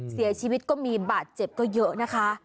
เสียชีวิตก็มีบาดเจ็บก็เยอะนะคะ